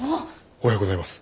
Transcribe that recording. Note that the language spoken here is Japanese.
おはようございます。